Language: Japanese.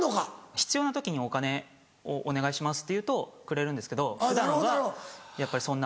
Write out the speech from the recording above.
必要な時にお金をお願いしますって言うとくれるんですけど普段はやっぱりそんな。